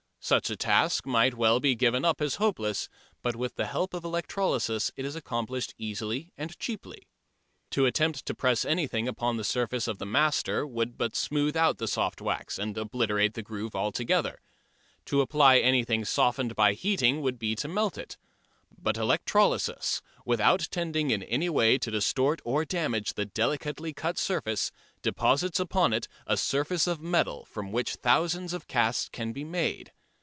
Such a task might well be given up as hopeless, but with the help of electrolysis it is accomplished easily and cheaply. To attempt to press anything upon the surface of the "master" would but smooth out the soft wax and obliterate the groove altogether. To apply anything softened by heating would be to melt it. But electrolysis, without tending in any way to distort or damage the delicately cut surface, deposits upon it a surface of metal from which thousands of casts can be made.